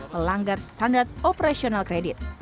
melanggar standar operasional kredit